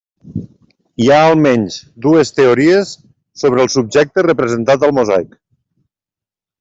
Hi ha almenys dues teories sobre el subjecte representat al mosaic.